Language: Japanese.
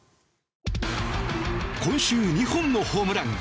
今週２本のホームラン。